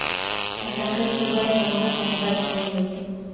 په تحقیق کې باید زمانه په نظر کې ونیول سي.